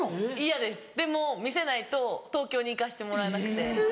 嫌ですでも見せないと東京に行かしてもらえなくて。